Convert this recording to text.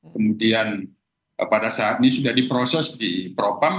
kemudian pada saat ini sudah diproses di propam